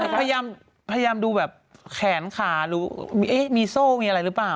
พยายามดูแบบแขนขามีโซ่มีอะไรหรือเปล่า